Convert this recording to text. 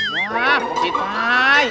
wah fungsi pak